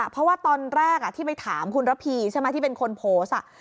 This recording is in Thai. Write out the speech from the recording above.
เพราะว่าตอนแรกที่ไปถามคุณระพีใช่ไหมที่เป็นคนโพสต์